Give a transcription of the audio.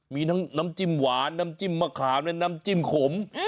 มีทั้งน้ำจิ้มหวานน้ำจิ้มมะขามและน้ำจิ้มขม